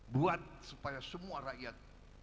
buat supaya semua rakyat